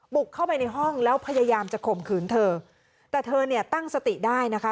บุกเข้าไปในห้องแล้วพยายามจะข่มขืนเธอแต่เธอเนี่ยตั้งสติได้นะคะ